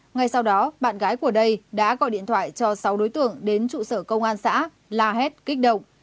ngay sau đó bạn gái của đây đã gọi điện thoại cho sáu đối tượng đến trụ sở công an xã la hét kích động